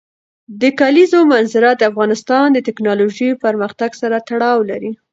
د کلیزو منظره د افغانستان د تکنالوژۍ پرمختګ سره تړاو لري.